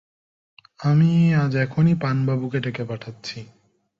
আমি আজ এখনই পানুবাবুকে ডেকে পাঠাচ্ছি।